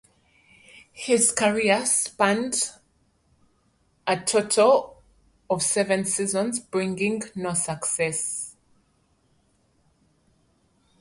His professional career spanned a total of seven seasons, bringing no success.